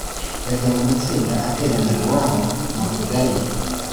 bajya mu matsinda ateranira iwabo mu Tugari